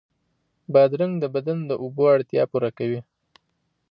بادرنګ د بدن د اوبو اړتیا پوره کوي.